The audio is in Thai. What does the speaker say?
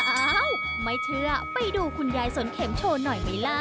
อ้าวไม่เชื่อไปดูคุณยายสนเข็มโชว์หน่อยไหมล่ะ